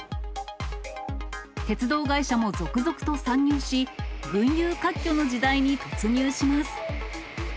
鉄道会社も続々と参入し、群雄割拠の時代に突入します。